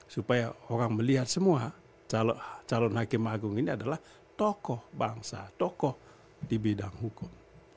supaya orang melihat semua calon hakim agung ini adalah tokoh bangsa tokoh di bidang hukum